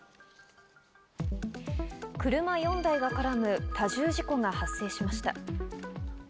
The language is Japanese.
車４台が絡む多重事故が発生しました。